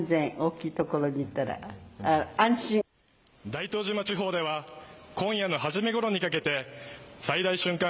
大東島地方では今夜の初めごろにかけて最大瞬間